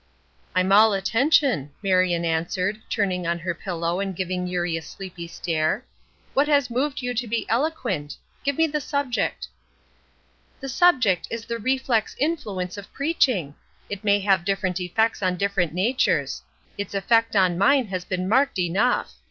"I'm all attention," Marion answered, turning on her pillow, and giving Eurie a sleepy stare. "What has moved you to be eloquent? Give me the subject." "The subject is the reflex influence of preaching! It may have different effects on different natures. Its effect on mine has been marked enough.